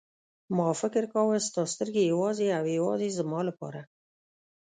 ما فکر کاوه ستا سترګې یوازې او یوازې زما لپاره.